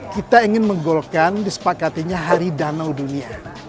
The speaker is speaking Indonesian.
kita ingin menggolkan disepakatinya hari danau dunia